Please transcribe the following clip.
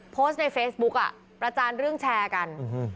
โพสต์ในเฟซบุ๊กอ่ะประจานเรื่องแชร์กัน